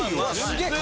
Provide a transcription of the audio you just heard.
すげえ。